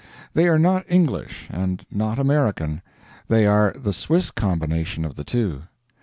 They are not English, and not American; they are the Swiss combination of the two.